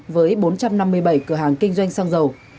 với bốn trăm năm mươi bảy cửa hàng kinh doanh xăng dầu